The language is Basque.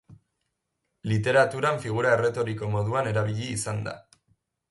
Literaturan figura erretoriko moduan erabili izan da.